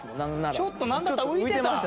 ちょっとなんだったら浮いてた！？